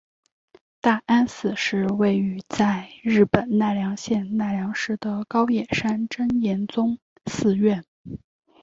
大安寺是位在日本奈良县奈良市的高野山真言宗寺院。